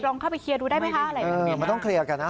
เข้าไปเคลียร์ดูได้ไหมคะอะไรอย่างนี้มันต้องเคลียร์กันนะ